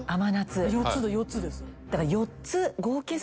４つ４つです。